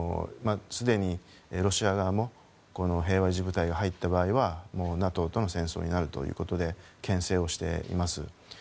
すでにロシア側も平和維持部隊が入った場合はＮＡＴＯとの戦争になるということで牽制をしています。